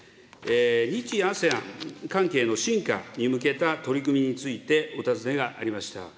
日・ＡＳＥＡＮ関係の深化に向けた取り組みについてお尋ねがありました。